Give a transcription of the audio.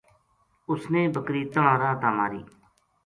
اس نے بکری تنہاں راہ تا ماری